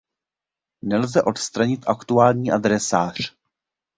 Nelze odstranit aktuální adresář.